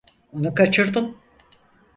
Onu kaçırdın.